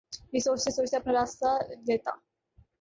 یہ سوچتے سوچتے اپنا راستہ لیتا